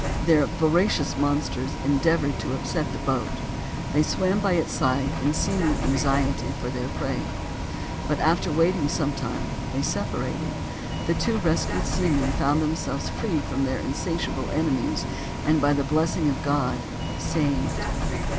The voracious monsters endeavored to upset the boat; they swam by its side in seeming anxiety for their prey, but after waiting sometime, they separated; the two rescued seamen, found themselves free from their insatiable enemies, and, by the blessing of God, saved.